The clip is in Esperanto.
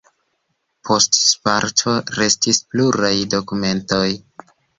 Post Sparto restis pluraj dokumentoj.